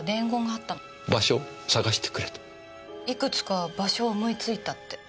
いくつか場所を思いついたって。